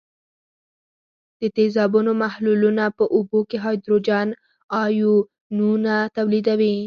د تیزابونو محلولونه په اوبو کې هایدروجن آیونونه تولیدوي.